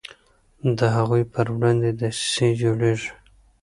د هغوی پر وړاندې دسیسې جوړیږي.